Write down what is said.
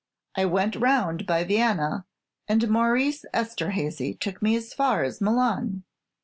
I went round by Vienna, and Maurice Esterhazy took me as far as Milan."